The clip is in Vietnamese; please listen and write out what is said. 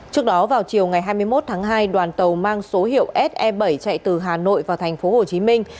trước đó vào chiều ngày hai mươi một tháng hai đoàn tàu mang số hiệu se bảy chạy từ hà nội vào thành phố hồ chí minh